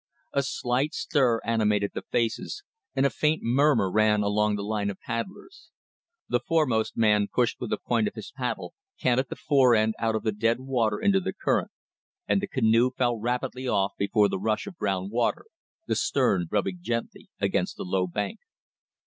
A slight stir animated the faces, and a faint murmur ran along the line of paddlers. The foremost man pushed with the point of his paddle, canted the fore end out of the dead water into the current; and the canoe fell rapidly off before the rush of brown water, the stern rubbing gently against the low bank.